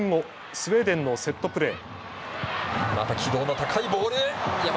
スウェーデンのセットプレー。